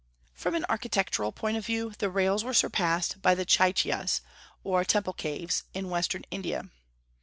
From an architectural point of view, the rails were surpassed by the chaityas, or temple caves, in western India.